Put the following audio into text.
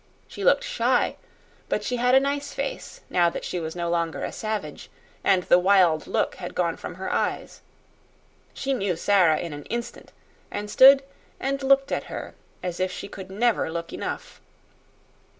She looked shy, but she had a nice face, now that she was no longer a savage, and the wild look had gone from her eyes. She knew Sara in an instant, and stood and looked at her as if she could never look enough.